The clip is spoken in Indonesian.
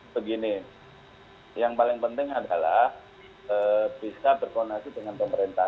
begini yang paling penting adalah bisa berkoordinasi dengan pemerintah